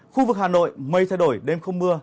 khu vực hà nội mây thay đổi đêm không mưa